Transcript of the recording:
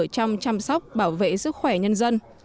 trong chăm sóc bảo vệ sức khỏe nhân dân